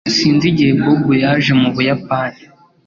Sinzi igihe Bob yaje mu Buyapani.